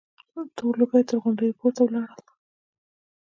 تور لوګي تر غونډيو پورته ولاړ ول.